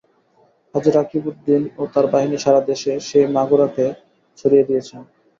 কাজী রকিবউদ্দীন ও তাঁর বাহিনী সারা দেশে সেই মাগুরাকে ছড়িয়ে দিয়েছেন।